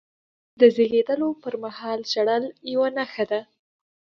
د زیږېدلو پرمهال ژړل یوه نښه ده.